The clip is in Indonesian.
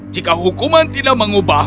jika hukuman tidak mengubahmu